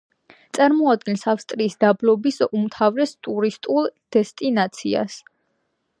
წარმოადგენს ავსტრიის დაბლობის უმთავრეს ტურისტულ დესტინაციას.